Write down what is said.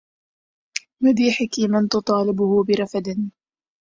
مديحك من تطالبه برفد